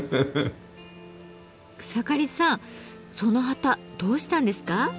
草刈さんその旗どうしたんですか？